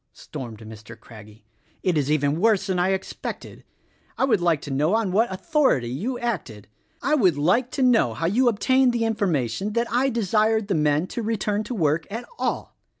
stormed Mr. Craggie, "it is even worse than I expected. I would like to know on what authority you acted! I would like to know how you obtained tihe information that I desired the men to return to work at all!